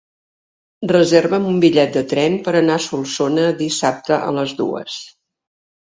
Reserva'm un bitllet de tren per anar a Solsona dissabte a les dues.